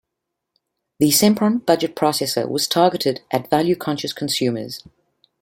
The Sempron budget processor was targeted at value-conscious consumers.